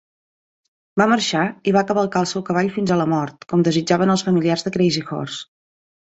Va marxar i va cavalcar el seu cavall fins a la mort, com desitjaven els familiars de Crazy Horse.